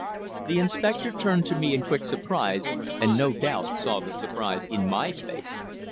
The inspector turned to me in quick surprise, and no doubt saw the surprise in my face.